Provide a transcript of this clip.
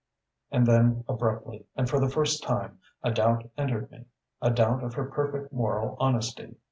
"And then, abruptly, and for the first time, a doubt entered me: a doubt of her perfect moral honesty.